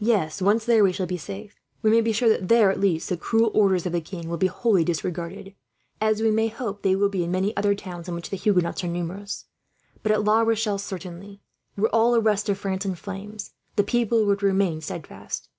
"Yes. Once there we shall be safe. You may be sure that there, at least, the cruel orders of the king will be wholly disregarded; as we may hope they will be, in many other towns in which the Huguenots are numerous; but at La Rochelle, certainly, were all the rest of France in flames, the people would remain steadfast.